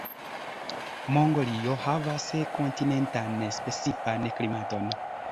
Mongolio havas kontinentan specifan klimaton.